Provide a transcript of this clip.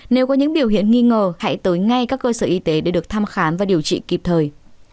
nếu có những biểu hiện nghi ngờ hãy tới ngay các cơ sở y tế để được thăm khám và điều trị kịp thời